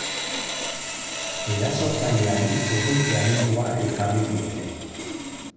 Erasotzaileari urruntze agindua ezarri diote.